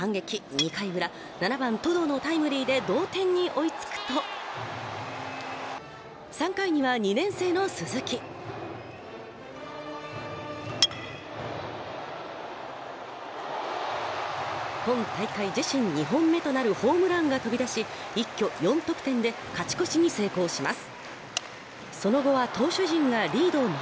２回裏７番と同様のタイムリーで同点に追いつくと３回には２年生の鈴木今大会自身２本目となるホームランが飛び出し一挙４得点で勝ち越しに成功します